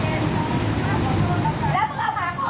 มองดูว่าอะไรขึ้นเราออกมาได้ค่ะ